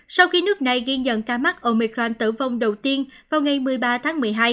sau khi nước này ghiên dần ca mắc omicron tử vong đầu tiên vào ngày một mươi ba tháng một mươi hai